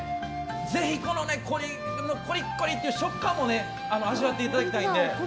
ぜひ、このコリコリという食感も味わっていただきたいので。